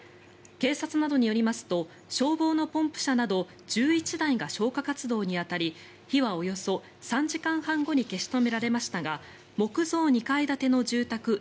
警察などによりますと消防のポンプ車など１１台が消火活動に当たり火はおよそ３時間半後に消し止められましたが木造２階建ての住宅